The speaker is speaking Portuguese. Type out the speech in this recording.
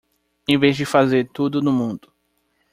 Em vez de fazer tudo no mundo